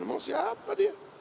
emang siapa dia